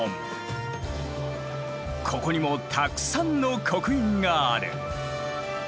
ここにもたくさんの刻印がある。